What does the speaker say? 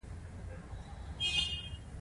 ایا ستاسو دوست به بریالی شي؟